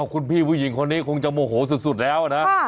คุณพี่ผู้หญิงคนนี้คงจะโมโหสุดแล้วนะ